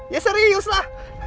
ya serius lah